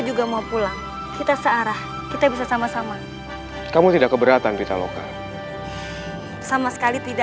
juga mau pulang kita searah kita bisa sama sama kamu tidak keberatan kita lokal sama sekali tidak